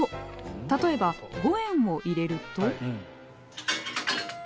例えば５円を入れると。